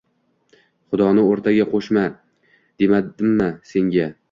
Xudoni oʻrtaga qoʻshma, demadimmi senga!